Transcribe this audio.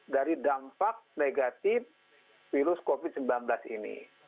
dari dampak negatif virus covid sembilan belas ini